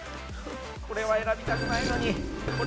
これは選びたくないのにこれしかない。